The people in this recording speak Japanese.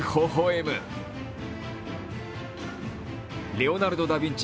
レオナルド・ダビンチ